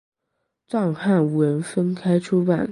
藏汉文分开出版。